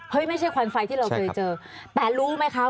คุณแยกออกได้เลยเหรอคะ